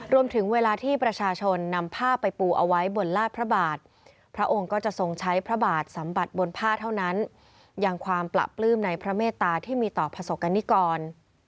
เวลาที่ประชาชนนำผ้าไปปูเอาไว้บนลาดพระบาทพระองค์ก็จะทรงใช้พระบาทสัมผัสบนผ้าเท่านั้นอย่างความประปลื้มในพระเมตตาที่มีต่อประสบกรณิกร